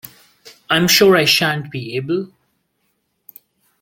I’m sure I shan’t be able!